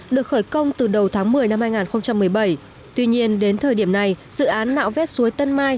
được khởi công từ đầu tháng một mươi năm hai nghìn một mươi bảy tuy nhiên đến thời điểm này dự án nạo vét suối tân mai